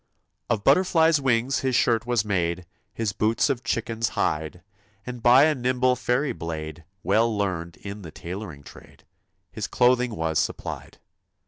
Of butterfly's wings his shirt was made, His boots of chicken's hide ; And by a nimble fairy blade, Well learned in the tailoring trade, His clothing was supplied.